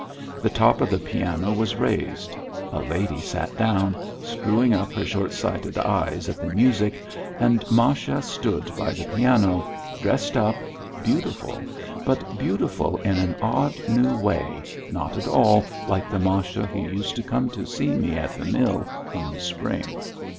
The top of the piano was raised, a lady sat down, screwing up her short sighted eyes at the music, and Masha stood by the piano, dressed up, beautiful, but beautiful in an odd new way, not at all like the Masha who used to come to see me at the mill in the spring.